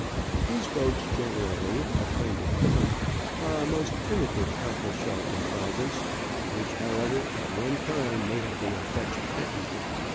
These boats, generally a kind of punt, are a most primitive cockle shell contrivance, which, however, at one time may have been a Dutch patent.